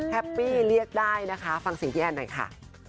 ปรี้เรียกได้นะคะฟังเสียงพี่แอนหน่อยค่ะ